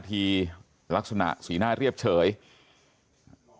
ลูกสาวหลายครั้งแล้วว่าไม่ได้คุยกับแจ๊บเลยลองฟังนะคะ